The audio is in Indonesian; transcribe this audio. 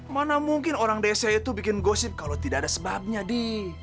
mana mungkin orang desa itu bikin gosip kalau tidak ada sebabnya di